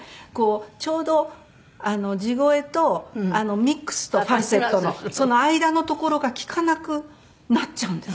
ちょうど地声とミックスとファルセットのその間のところが利かなくなっちゃうんです。